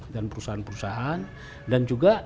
dan perusahaan perusahaan dan juga